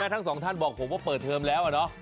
ทั้งสองท่านบอกผมว่าเปิดเทอมแล้ว